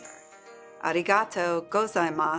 ありがとうございます。